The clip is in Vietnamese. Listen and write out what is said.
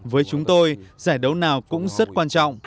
với chúng tôi giải đấu nào cũng rất quan trọng